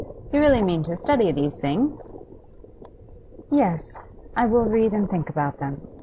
You really mean to study these things?' 'Yes, I will read and think about them.